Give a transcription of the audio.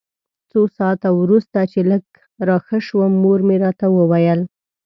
څو ساعته وروسته چې لږ راښه شوم مور مې راته وویل.